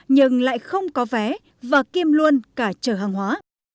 nhưng lại không có vé và kiêm luôn cả trở hàng hóa